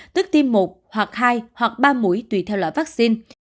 tức tim một hoặc hai hoặc ba mũi tùy theo loại vaccine